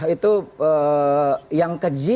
itu yang keji